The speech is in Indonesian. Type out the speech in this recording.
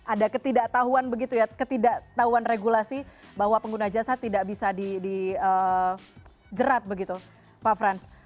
ada ketidaktahuan begitu ya ketidaktahuan regulasi bahwa pengguna jasa tidak bisa dijerat begitu pak frans